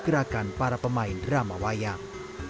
gerakan para pemain drama wayang